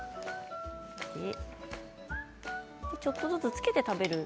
ちょっとずつつけて食べる。